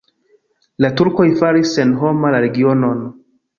La turkoj faris senhoma la regionon.